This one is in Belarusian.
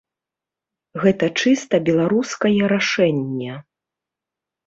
Гэта чыста беларускае рашэнне.